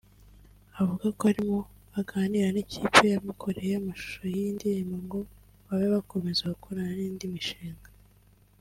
avuga ko arimo aganira n’ikipe yamukoreye amashusho y’iyi ndirimbo ngo babe bakomeza gukorana n’indi mishinga